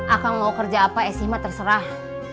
akang mau kerja apa eshima terserah